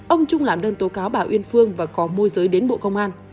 ông trung làm đơn tố cáo bà uyên phương và có môi giới đến bộ công an